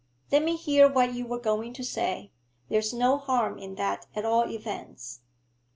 'Let me hear what you were going to say. There's no harm in that, at all events.'